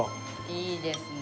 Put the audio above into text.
いいですね。